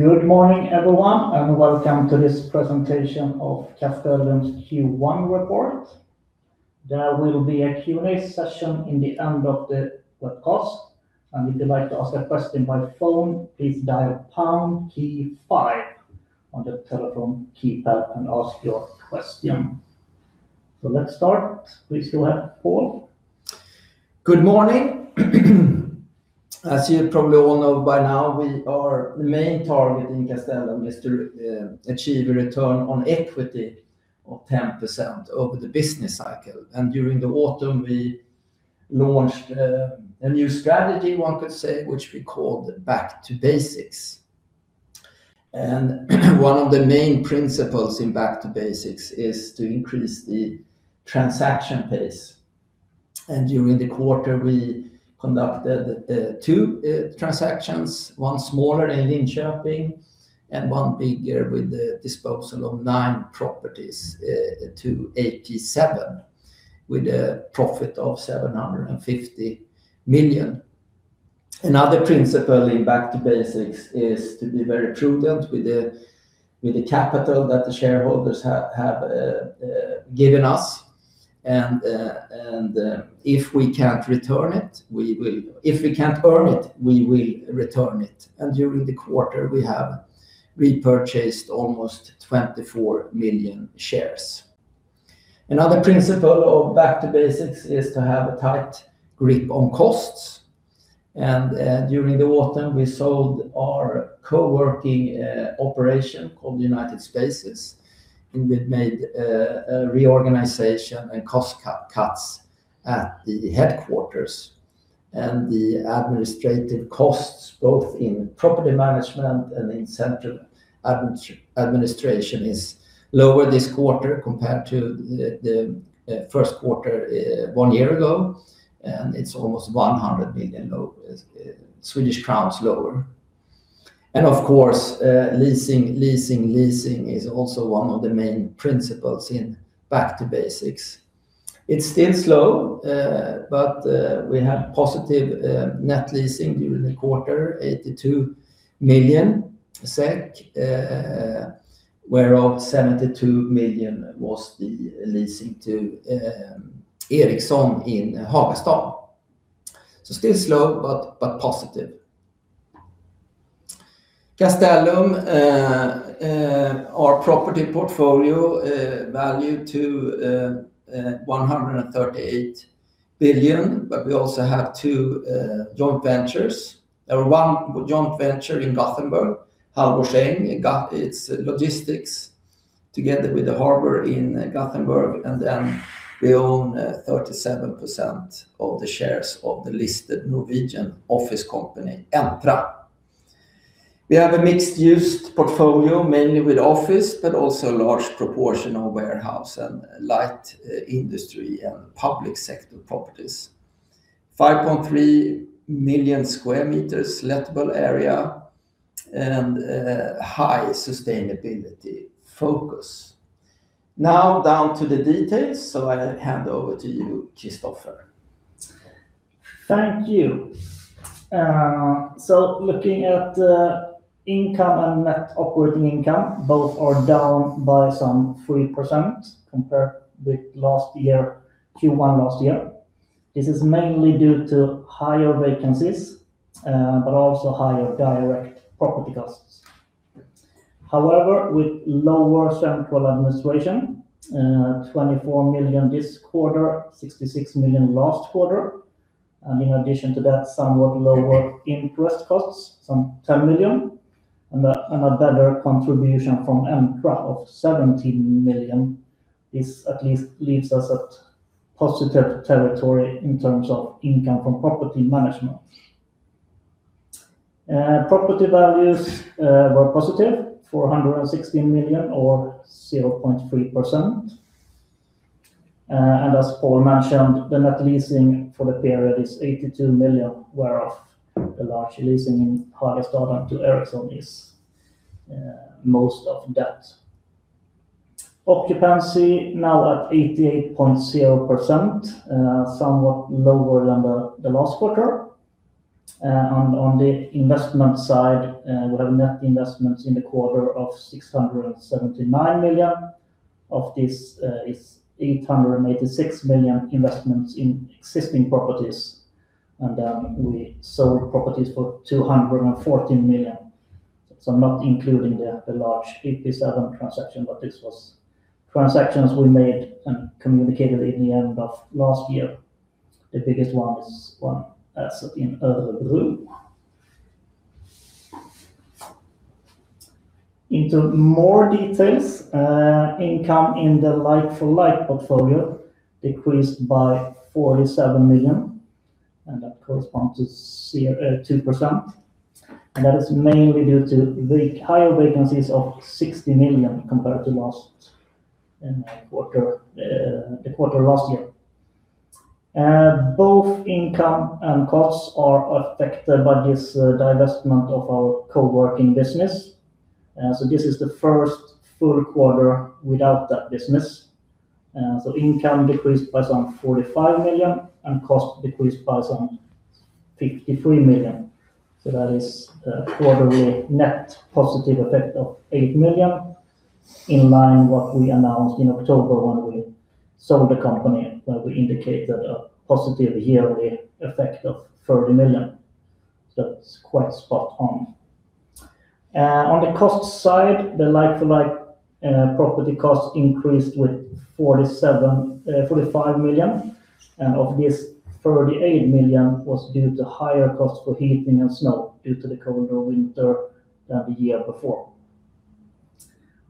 Good morning, everyone, and welcome to this presentation of Castellum's Q1 report. There will be a Q&A session in the end of the webcast, and if you'd like to ask a question by phone, please dial pound key five on the telephone keypad and ask your question. Let's start. Please go ahead, Pål. Good morning. As you probably all know by now, our main target in Castellum is to achieve a return on equity of 10% over the business cycle. During the autumn we launched a new strategy, one could say, which we called Back to Basics. One of the main principles in Back to Basics is to increase the transaction pace. During the quarter we conducted two transactions, one smaller in Linköping and one bigger with the disposal of nine properties to AP7, with a profit of 750 million. Another principle in Back to Basics is to be very prudent with the capital that the shareholders have given us, and if we can't earn it, we will return it. During the quarter, we have repurchased almost 24 million shares. Another principle of Back to Basics is to have a tight grip on costs. During the autumn, we sold our co-working operation called United Spaces, and we've made a reorganization and cost cuts at the headquarters. The administrative costs, both in property management and in central administration, is lower this quarter compared to the first quarter one year ago. It's almost 100 million lower. Of course, leasing is also one of the main principles in Back to Basics. It's still slow, but we have positive net leasing during the quarter, 82 million SEK, whereof 72 million was the leasing to Ericsson in Hagastaden. Still slow but positive. Castellum, our property portfolio valued to 138 billion, but we also have two joint ventures, or one joint venture in Gothenburg, Halvorsäng. It's logistics together with the harbor in Gothenburg. Then we own 37% of the shares of the listed Norwegian office company, Entra. We have a mixed-use portfolio, mainly with office, but also a large proportion of warehouse and light industry and public sector properties, 5.3 million sq m lettable area and a high sustainability focus. Now down to the details. I'll hand over to you, Christoffer. Thank you. Looking at income and net operating income, both are down by some 3% compared with Q1 last year. This is mainly due to higher vacancies, but also higher direct property costs. However, with lower central administration, 24 million this quarter, 66 million last quarter. In addition to that, somewhat lower interest costs, some 10 million, and a better contribution from Entra of 17 million. This at least leaves us at positive territory in terms of income from property management. Property values were positive, 416 million or 0.3%. As Pål mentioned, the net leasing for the period is 82 million, whereof the large leasing in Hagastaden to Ericsson is most of that. Occupancy now at 88.0%, somewhat lower than the last quarter. On the investment side, we have net investments in the quarter of 679 million. Of this, 886 million investments in existing properties, and then we sold properties for 214 million. Not including the large AP7 transaction, but this was transactions we made and communicated in the end of last year. The biggest one is one that's in Örebro. Into more details, income in the like-for-like portfolio decreased by 47 million, and that corresponds to 2%. That is mainly due to the higher vacancies of 60 million compared to the quarter last year. Both income and costs are affected by this divestment of our co-working business. This is the first full quarter without that business. Income decreased by some 45 million, and costs decreased by some 53 million. That is a quarterly net positive effect of 8 million, in line with what we announced in October when we sold the company, where we indicated a positive yearly effect of 30 million. That's quite spot on. On the cost side, the like-for-like property costs increased with 45 million, and of this, 38 million was due to higher costs for heating and snow due to the colder winter than the year before.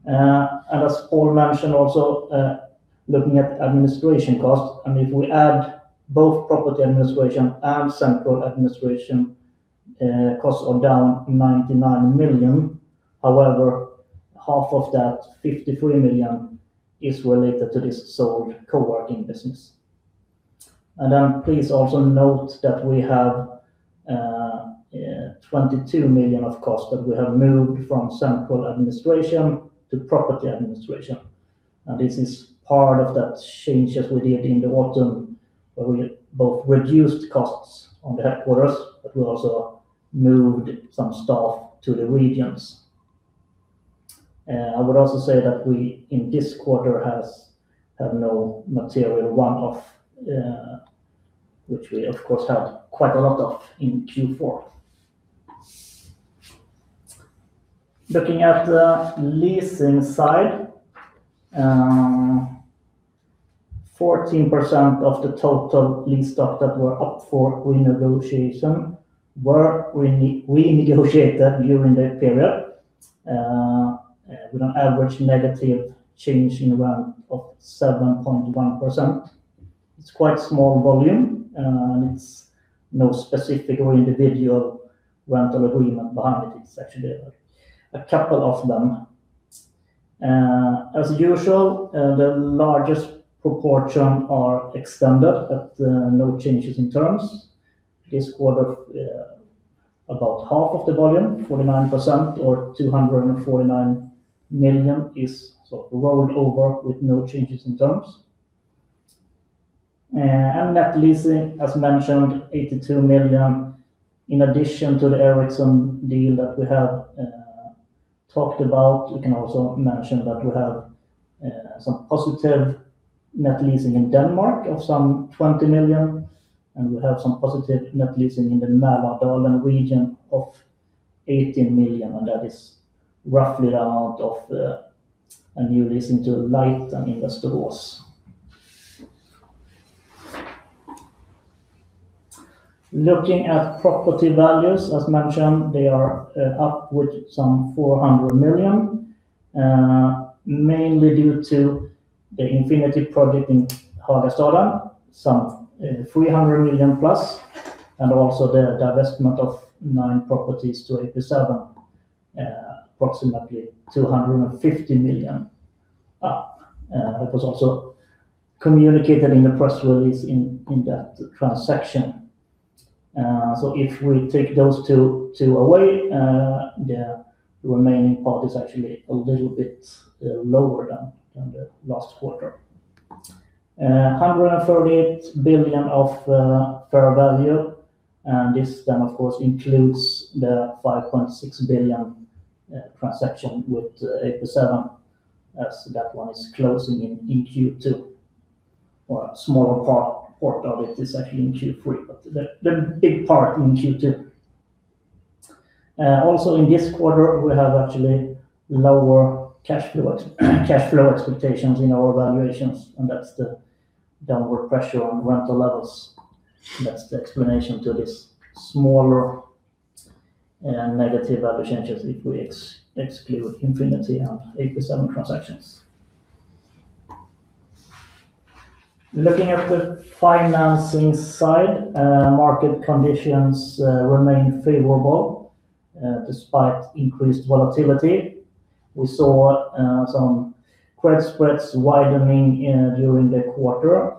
As Pål mentioned also, looking at administration costs, and if we add both property administration and central administration, costs are down 99 million. However, half of that, 53 million, is related to this sold co-working business. Then please also note that we have 22 million of costs that we have moved from central administration to property administration, and this is part of that change that we did in the autumn, where we both reduced costs on the headquarters, but we also moved some staff to the regions. I would also say that we, in this quarter, have no material one-off, which we of course had quite a lot of in Q4. Looking at the leasing side, 14% of the total lease stock that were up for renegotiation, we negotiated during the period, with an average negative change in rent of 7.1%. It's quite small volume, and it's no specific or individual rental agreement behind it. It's actually a couple of them. As usual, the largest proportion are extended, but no changes in terms. This quarter, about half of the volume, 49% or 249 million, is sort of rolled over with no changes in terms. Net leasing, as mentioned, 82 million. In addition to the Ericsson deal that we have talked about, we can also mention that we have some positive net leasing in Denmark of 20 million, and we have some positive net leasing in the Mälardalen region of 18 million, and that is roughly the amount of a new leasing to Light Industries. Looking at property values, as mentioned, they are up with 400 million, mainly due to the Infinity project in Hagastaden, 300 million+, and also the divestment of nine properties to AP7, approximately 250 million up. That was also communicated in the press release in that transaction. If we take those two away, the remaining part is actually a little bit lower than the last quarter. 138 billion of fair value, and this then of course includes the 5.6 billion transaction with AP7, as that one is closing in Q2. A smaller part of it is actually in Q3, but the big part in Q2. Also in this quarter, we have actually lower cash flow expectations in our valuations, and that's the downward pressure on rental levels. That's the explanation to this smaller negative value changes if we exclude Infinity and AP7 transactions. Looking at the financing side, market conditions remain favorable despite increased volatility. We saw some credit spreads widening during the quarter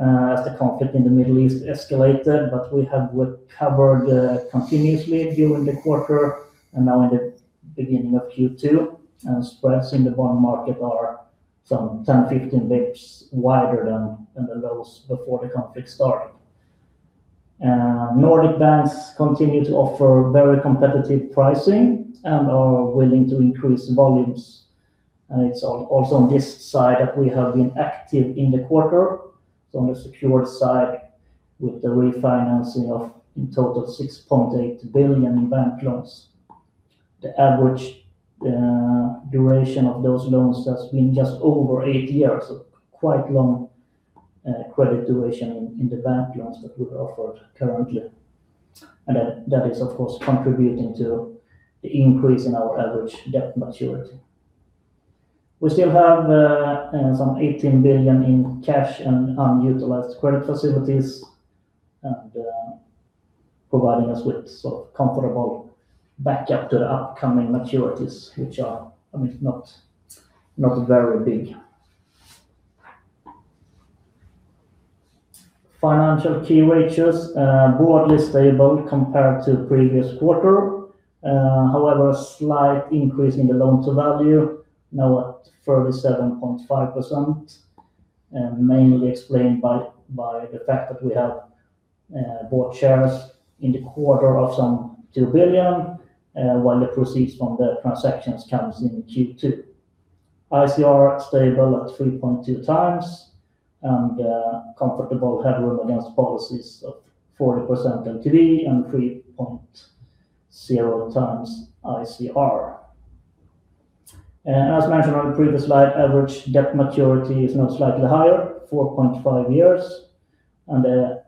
as the conflict in the Middle East escalated, but we have recovered continuously during the quarter and now in the beginning of Q2, and spreads in the bond market are some 10, 15 basis points wider than the lows before the conflict started. Nordic banks continue to offer very competitive pricing and are willing to increase volumes. It's also on this side that we have been active in the quarter, so on the secured side with the refinancing of in total 6.8 billion in bank loans. The average duration of those loans has been just over eight years, so quite long credit duration in the bank loans that we offered currently. That is, of course, contributing to the increase in our average debt maturity. We still have some 18 billion in cash and unutilized credit facilities, providing us with sort of comfortable backup to the upcoming maturities, which are not very big. Financial key ratios are broadly stable compared to previous quarter. However, a slight increase in the loan-to-value, now at 37.5%, mainly explained by the fact that we have bought shares in the quarter of some 2 billion, while the proceeds from the transactions comes in Q2. ICR stable at 3.2x and a comfortable headroom against policies of 40% LTV and 3.0x ICR. As mentioned on the previous slide, average debt maturity is now slightly higher, 4.5 years, and the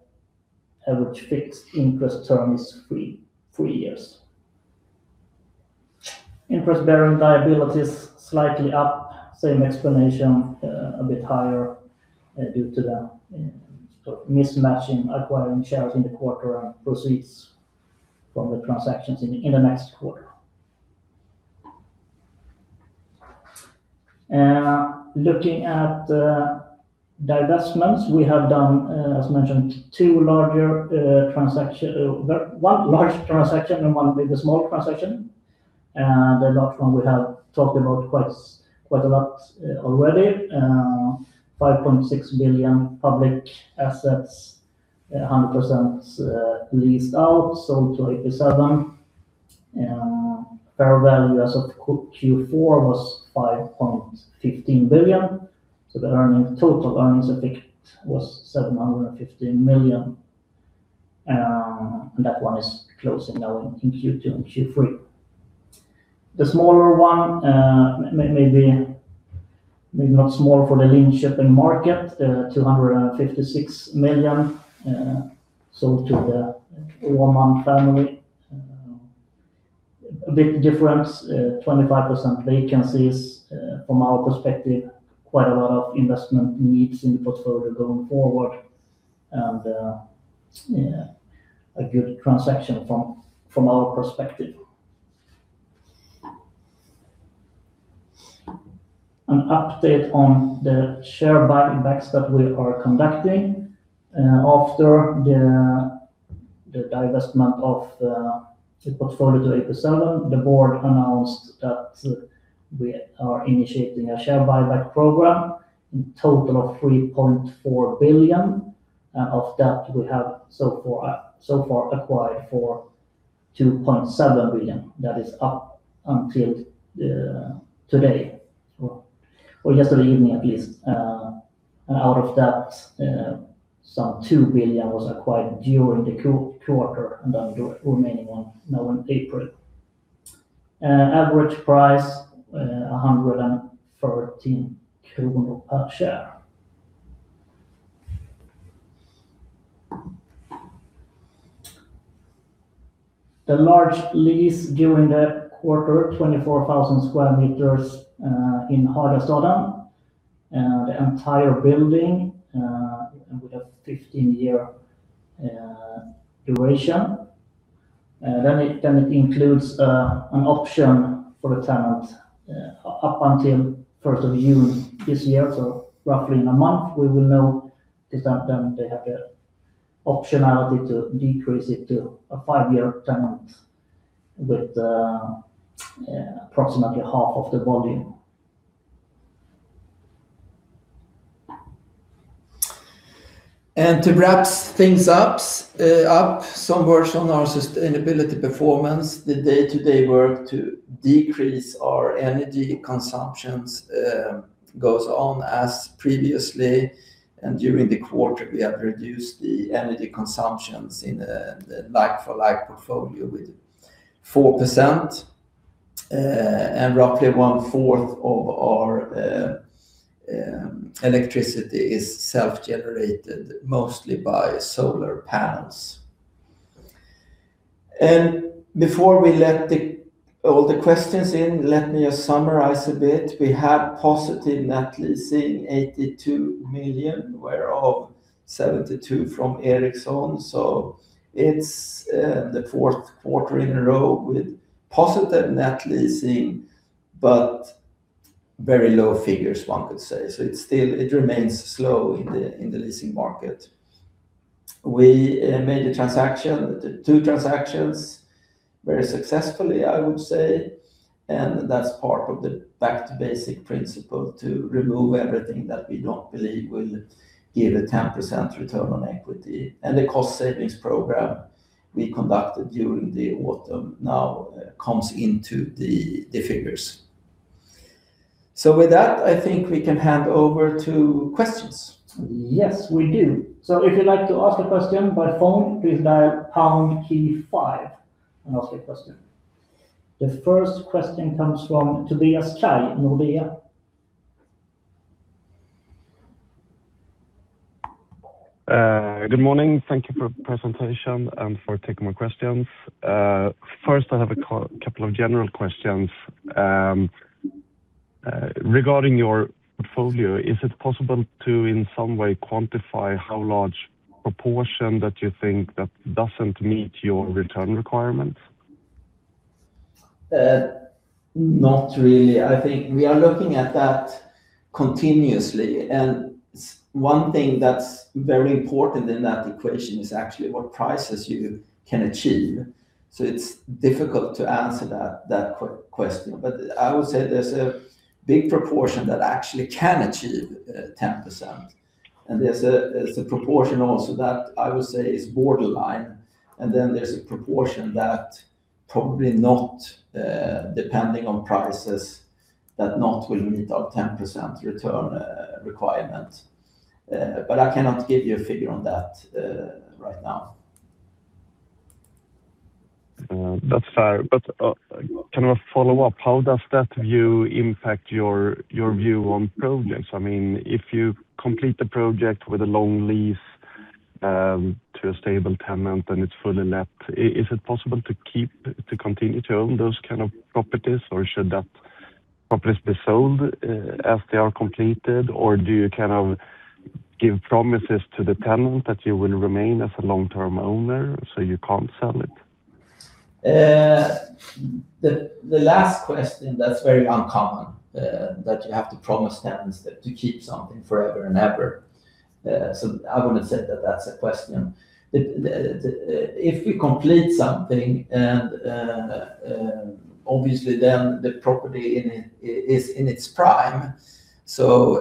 average fixed interest term is three years. Interest-bearing liabilities slightly up, same explanation, a bit higher due to the mismatch in acquiring shares in the quarter and proceeds from the transactions in the next quarter. Looking at the divestments, we have done, as mentioned, one large transaction and one with a small transaction. The large one we have talked about quite a lot already. 5.6 billion public assets, 100% leased out, sold to AP7. Fair value as of Q4 was 5.15 billion. The total earnings effect was 715 million. That one is closing now in Q2 and Q3. The smaller one, maybe not small for the Linköping market, 256 million, sold to the Åhman family. A big difference, 25% vacancies. From our perspective, quite a lot of investment needs in the portfolio going forward, and a good transaction from our perspective. An update on the share buybacks that we are conducting. After the divestment of the portfolio to AP7, the board announced that we are initiating a share buyback program, a total of 3.4 billion. Of that, we have so far acquired for 2.7 billion. That is up until today or yesterday evening, at least. Out of that, some 2 billion was acquired during the quarter, and then the remaining one now in April. Average price, 113 kronor per share. The large lease during the quarter, 24,000 sq m in Hagastaden. The entire building, and with a 15-year duration. It includes an option for the tenant up until 1st of June this year. Roughly in a month, we will know if they have the optionality to decrease it to a five-year tenant with approximately half of the volume. To wrap things up, some words on our sustainability performance. The day-to-day work to decrease our energy consumptions goes on as previously. During the quarter, we have reduced the energy consumptions in the like-for-like portfolio with 4%, and roughly one-fourth of our electricity is self-generated, mostly by solar panels. Before we let all the questions in, let me just summarize a bit. We have positive net leasing, 82 million, whereof 72 million from Ericsson. It's the fourth quarter in a row with positive net leasing, but very low figures, one could say. It remains slow in the leasing market. We made two transactions very successfully, I would say, and that's part of the Back to Basics principle to remove everything that we don't believe will give a 10% return on equity. The cost savings program we conducted during the autumn now comes into the figures. With that, I think we can hand over to questions. Yes, we do. If you'd like to ask a question by phone, please dial pound key five and ask your question. The first question comes from Tobias Kaj, Nordea. Good morning. Thank you for presentation and for taking my questions. First, I have a couple of general questions. Regarding your portfolio, is it possible to, in some way, quantify how large proportion that you think that doesn't meet your return requirements? Not really. I think we are looking at that continuously, and one thing that's very important in that equation is actually what prices you can achieve. It's difficult to answer that question. I would say there's a big proportion that actually can achieve 10%, and there's a proportion also that I would say is borderline, and then there's a proportion that probably not, depending on prices, that not will meet our 10% return requirement. I cannot give you a figure on that right now. That's fair. Can I follow up? How does that view impact your view on projects? If you complete a project with a long lease to a stable tenant, and it's fully let, is it possible to continue to own those kind of properties, or should those properties be sold, as they are completed? Or do you give promises to the tenant that you will remain as a long-term owner, so you can't sell it? The last question, that's very uncommon, that you have to promise tenants that you keep something forever and ever. I wouldn't say that that's a question. If we complete something and obviously then the property is in its prime, so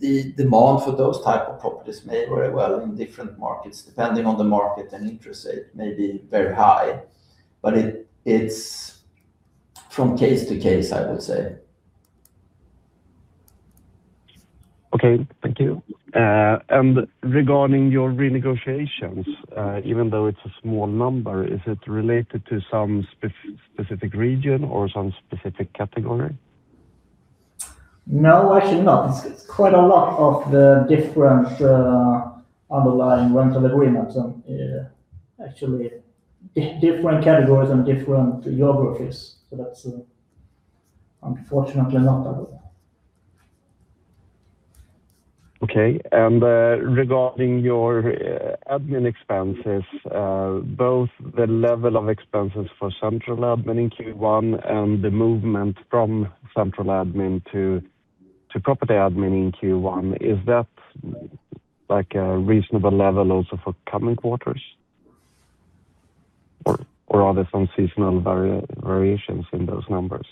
the demand for those type of properties may very well in different markets, depending on the market and interest rate, may be very high. It's from case to case, I would say. Okay, thank you. Regarding your renegotiations, even though it's a small number, is it related to some specific region or some specific category? No, actually not. It's quite a lot of the different underlying rental agreements, and actually different categories and different geographies. That's unfortunately not. Okay, regarding your admin expenses, both the level of expenses for central admin in Q1 and the movement from central admin to property admin in Q1, is that a reasonable level also for coming quarters, or are there some seasonal variations in those numbers?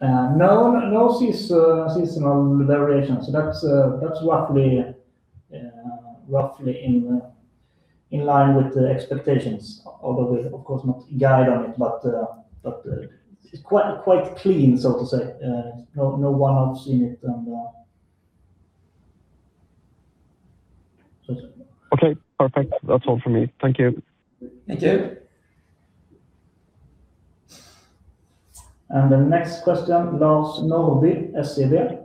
No seasonal variations. That's roughly in line with the expectations, although we of course do not guide on it, but it's quite clean, so to say. No one-offs in it. Okay, perfect. That's all from me. Thank you. Thank you. The next question, Lars Norrby, SEB.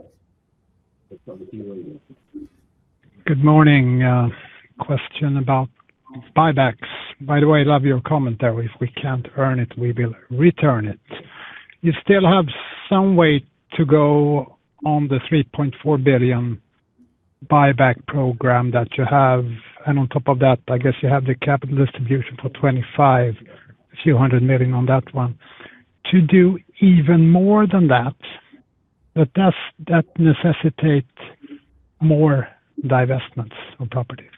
Good morning. Question about buybacks. By the way, love your comment there. If we can't earn it, we will return it. You still have some way to go on the 3.4 billion buyback program that you have, and on top of that, I guess you have the capital distribution for 2025, a few hundred million on that one. To do even more than that, but does that necessitate more divestments of properties?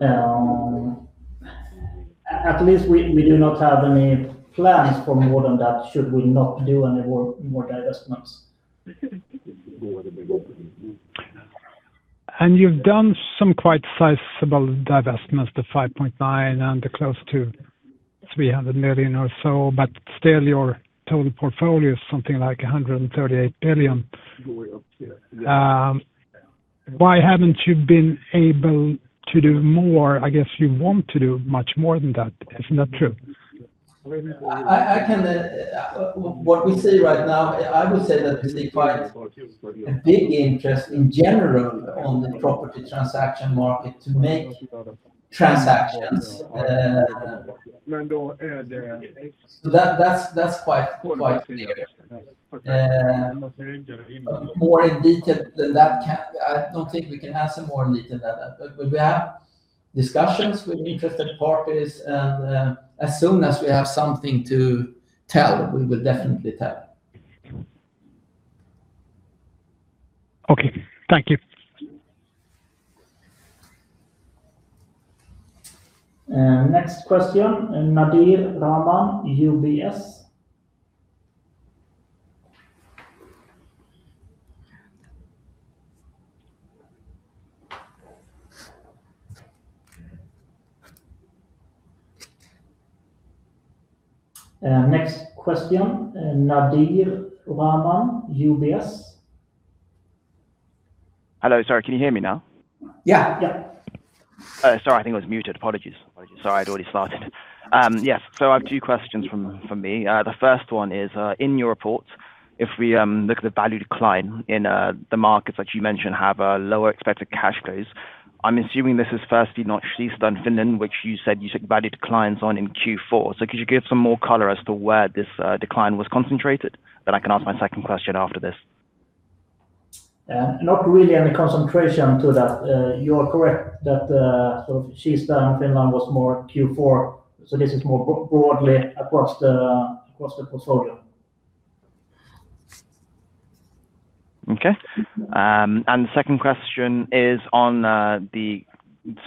At least we do not have any plans for more than that, should we not do any more divestments. You've done some quite sizable divestments, the 5.9 billion and the close to 300 million or so, but still your total portfolio is something like 138 billion. Why haven't you been able to do more? I guess you want to do much more than that. Isn't that true? What we see right now, I would say that we see quite a big interest in general on the property transaction market to make transactions. That's quite clear. More in detail than that, I don't think we can answer more in detail than that. We have discussions with interested parties, and as soon as we have something to tell, we will definitely tell. Okay. Thank you. Next question, Nadir Rahman, UBS. Hello. Sorry, can you hear me now? Yeah. Sorry, I think I was muted. Apologies. Sorry, I'd already started. Yes. I have two questions from me. The first one is, in your report, if we look at the value decline in the markets that you mentioned have a lower expected cash flows, I'm assuming this is firstly the Kista in Finland, which you said you took value declines on in Q4. Could you give some more color as to where this decline was concentrated? Then I can ask my second question after this. Not really any concentration to that. You are correct that Kista in Finland was more Q4, so this is more broadly across the portfolio. Okay. The second question is on the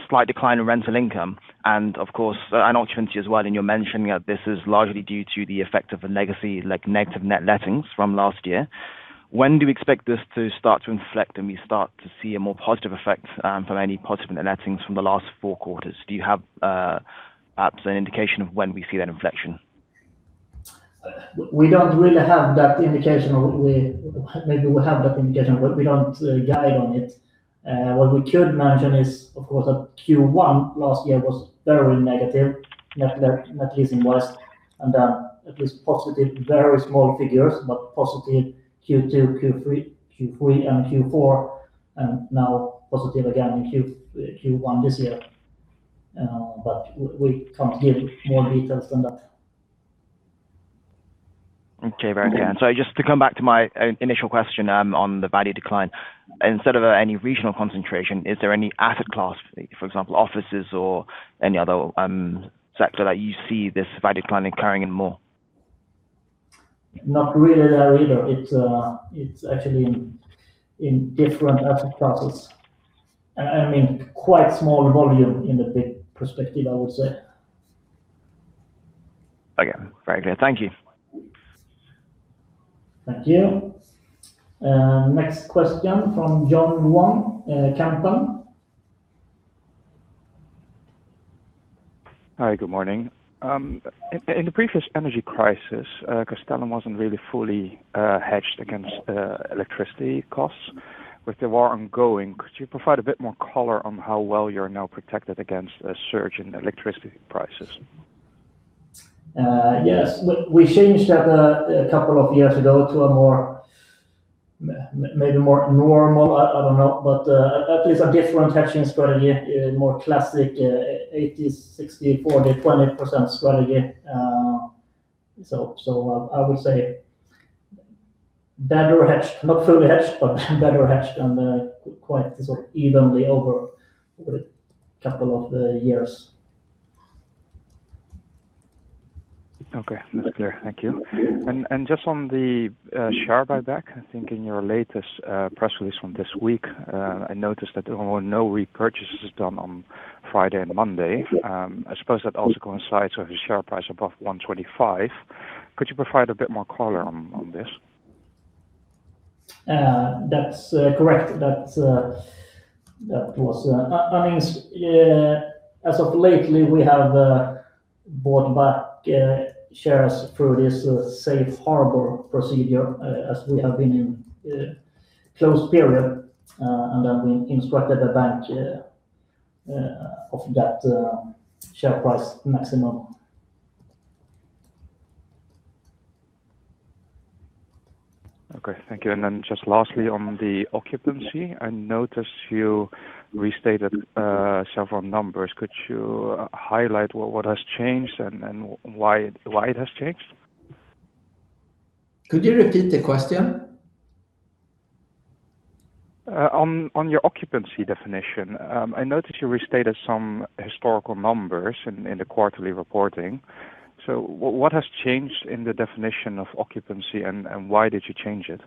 slight decline in rental income. Of course, an opportunity as well, and you're mentioning that this is largely due to the effect of the legacy, like negative net lettings from last year. When do we expect this to start to inflect, and we start to see a more positive effect from any positive net lettings from the last four quarters? Do you have perhaps an indication of when we see that inflection? We don't really have that indication. Maybe we have that indication, but we don't guide on it. What we could mention is, of course, that Q1 last year was very negative, net leasing was, and then it was positive, very small figures, but positive Q2, Q3, and Q4, and now positive again in Q1 this year. We can't give more details than that. Okay. Very clear. Just to come back to my initial question on the value decline. Instead of any regional concentration, is there any asset class, for example, offices or any other sector that you see this value decline occurring in more? Not really there either. It's actually in different asset classes. Quite small volume in the big perspective, I would say. Okay. Very clear. Thank you. Thank you. Next question from John Wong, Keppel. Hi, good morning. In the previous energy crisis, Castellum wasn't really fully hedged against electricity costs. With the war ongoing, could you provide a bit more color on how well you're now protected against a surge in electricity prices? Yes. We changed that a couple of years ago to a more, maybe more normal, I don't know, but at least a different hedging strategy, more classic, 80%/60%/40%/20% strategy. I would say better hedged. Not fully hedged, but better hedged and quite evenly over the couple of the years. Okay, that's clear. Thank you. Just on the share buyback, I think in your latest press release from this week, I noticed that there were no repurchases done on Friday and Monday. I suppose that also coincides with the share price above 125. Could you provide a bit more color on this? That's correct. As of lately, we have bought back shares through this safe harbor procedure as we have been in close period, and then we instructed the bank of that share price maximum. Okay, thank you. Just lastly on the occupancy, I noticed you restated several numbers. Could you highlight what has changed and why it has changed? Could you repeat the question? On your occupancy definition, I noticed you restated some historical numbers in the quarterly reporting. What has changed in the definition of occupancy, and why did you change it?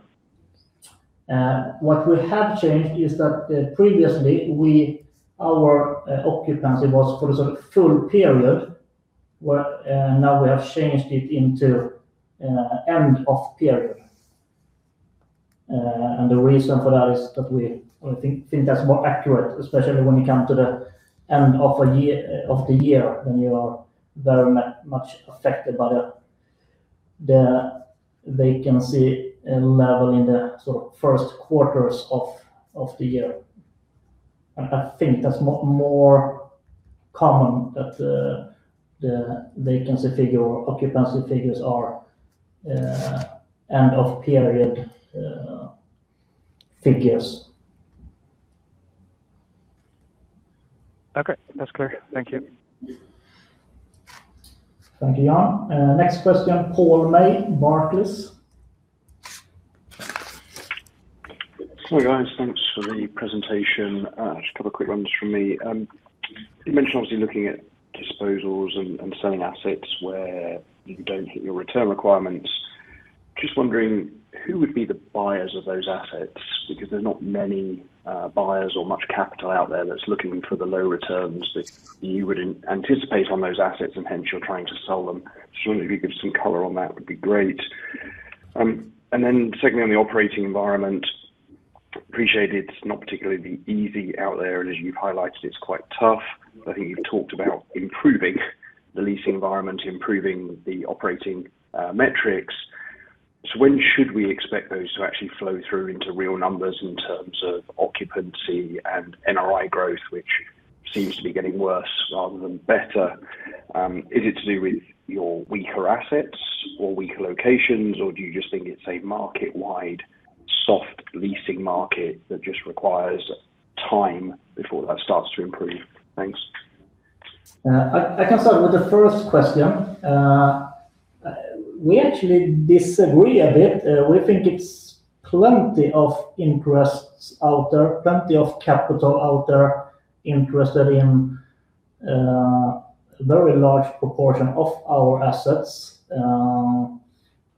What we have changed is that previously our occupancy was for the full period, where now we have changed it into end of period. The reason for that is that we think that's more accurate, especially when you come to the end of the year, when you are very much affected by the vacancy level in the first quarters of the year. I think that's more common that the vacancy figure or occupancy figures are end of period figures. Okay, that's clear. Thank you. Thank you, John. Next question, Paul May, Barclays. Hi, guys. Thanks for the presentation. Just a couple quick ones from me. You mentioned obviously looking at disposals and selling assets where you don't hit your return requirements. Just wondering who would be the buyers of those assets, because there's not many buyers or much capital out there that's looking for the low returns that you would anticipate on those assets and hence you're trying to sell them? Just wondering if you could give some color on that would be great. And then secondly, on the operating environment, appreciate it's not particularly easy out there, and as you've highlighted, it's quite tough. I think you've talked about improving the leasing environment, improving the operating metrics. When should we expect those to actually flow through into real numbers in terms of occupancy and NRI growth, which seems to be getting worse rather than better? Is it to do with your weaker assets or weaker locations, or do you just think it's a market-wide soft leasing market that just requires time before that starts to improve? Thanks. I can start with the first question. We actually disagree a bit. We think it's plenty of interests out there, plenty of capital out there interested in a very large proportion of our assets.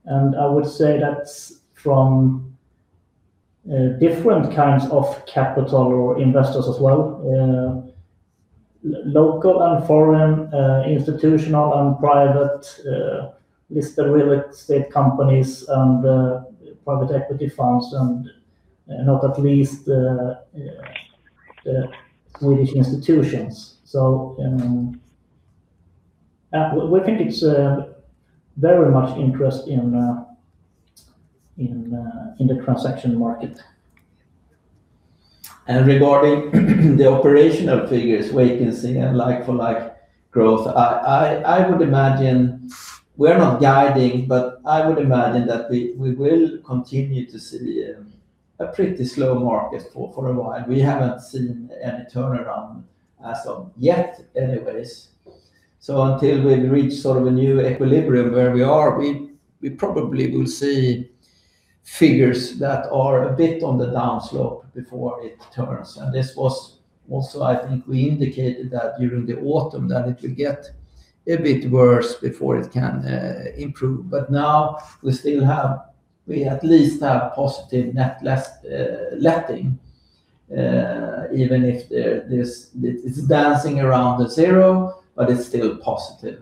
And I would say that's from different kinds of capital or investors as well, local and foreign, institutional and private, listed real estate companies and private equity firms, and not at least the Swedish institutions. We think it's very much interest in the transaction market. Regarding the operational figures, vacancy and like-for-like growth, I would imagine, we're not guiding, but I would imagine that we will continue to see a pretty slow market for a while. We haven't seen any turnaround as of yet anyways. Until we reach sort of a new equilibrium where we are, we probably will see figures that are a bit on the downslope before it turns. This was also, I think we indicated that during the autumn that it will get a bit worse before it can improve. Now we at least have positive net letting even if it's dancing around the zero, but it's still positive.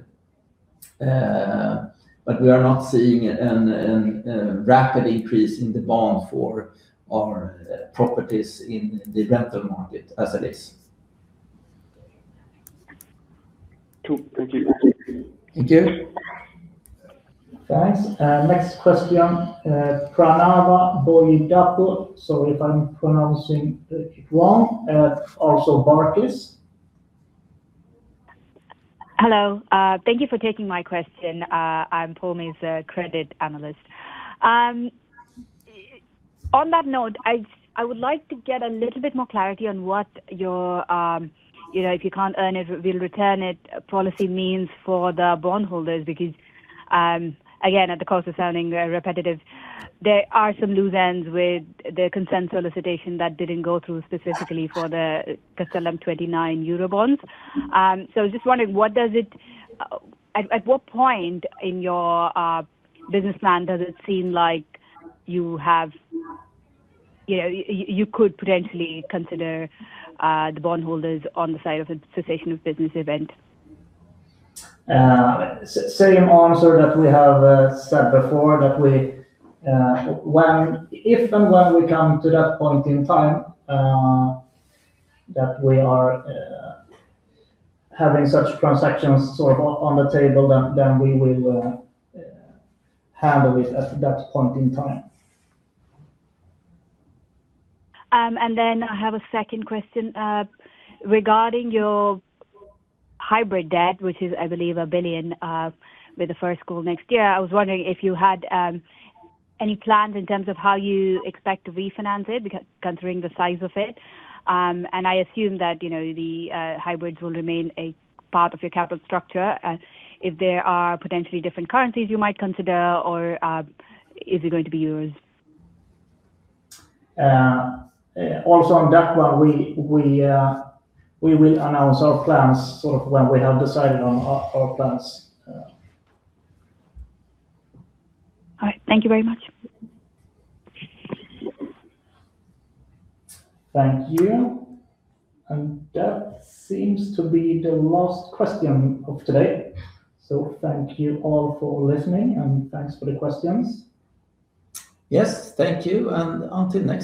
We are not seeing a rapid increase in demand for our properties in the rental market as it is. Cool. Thank you. Thank you. Thanks. Next question, Pranava Boyidapu, sorry if I'm pronouncing it wrong. Also Barclays. Hello. Thank you for taking my question. I'm [Pulmi] Credit Analyst. On that note, I would like to get a little bit more clarity on what your, if you can't earn it, we'll return it policy means for the bondholders. Because, again, at the cost of sounding repetitive, there are some loose ends with the consent solicitation that didn't go through specifically for the Castellum 2029 Eurobonds. I was just wondering at what point in your business plan does it seem like you could potentially consider the bondholders on the side of a cessation of business event? Same answer that we have said before, that if and when we come to that point in time that we are having such transactions sort of on the table, then we will handle it at that point in time. Then I have a second question. Regarding your hybrid debt, which is, I believe, 1 billion with the first call next year. I was wondering if you had any plans in terms of how you expect to refinance it, because considering the size of it. I assume that the hybrids will remain a part of your capital structure. If there are potentially different currencies you might consider or is it going to be euros? Also on that one, we will announce our plans sort of when we have decided on our plans. All right. Thank you very much. Thank you. That seems to be the last question of today. Thank you all for listening and thanks for the questions. Yes, thank you, and until next time.